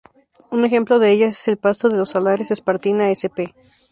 Un ejemplo de ellas es el pasto de los salares "Spartina" sp.